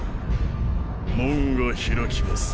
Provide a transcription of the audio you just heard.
門が開きます。